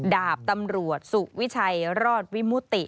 ดาบตำรวจสุวิชัยรอดวิมุติ